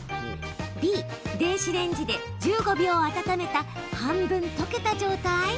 Ｂ・電子レンジで１５秒温めた半分溶けた状態？